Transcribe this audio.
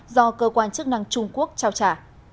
do cơ quan chức năng trung quốc trao trả